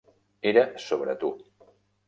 Era sobre tu.